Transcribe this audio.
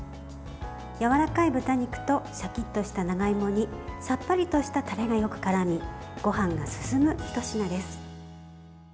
やわらかい豚肉とシャキッとした長芋にさっぱりとしたタレがよくからみごはんが進むひと品です。